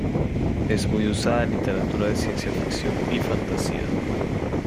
Es muy usada en literatura de ciencia ficción y fantasía.